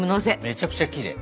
めちゃくちゃきれい。